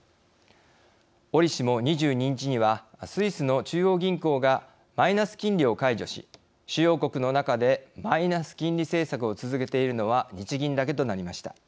折しも、２２日にはスイスの中央銀行がマイナス金利を解除し主要国の中でマイナス金利政策を続けているのは日銀だけとなりました。